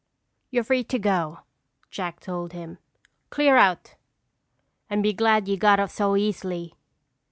"You're free to go," Jack told him. "Clear out and be glad you got off so easily."